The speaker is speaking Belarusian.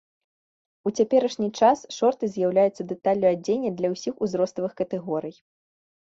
У цяперашні час шорты з'яўляюцца дэталлю адзення для ўсіх узроставых катэгорый.